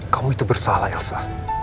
kamu itu bersalah elsa